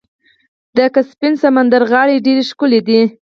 د کسپین سمندر غاړې ډیرې ښکلې دي.